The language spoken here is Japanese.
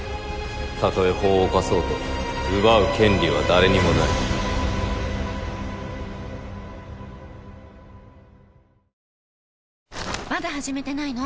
たとえ法を犯そうと奪う権利は誰にもないまだ始めてないの？